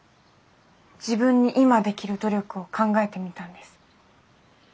自分に今できる努力を考えてみたんです。